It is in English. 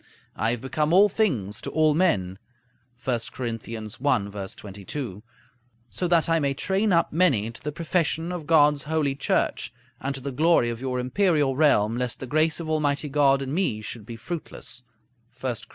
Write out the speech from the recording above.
I have become all things to all men (1 Cor. i. 22) so that I may train up many to the profession of God's Holy Church and to the glory of your imperial realm, lest the grace of Almighty God in me should be fruitless (1 Cor.